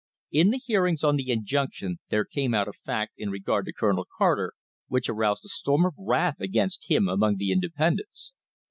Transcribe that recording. In the hearings on the injunction there came out a fact in re gard to Colonel Carter which aroused a storm of wrath against him among the independents.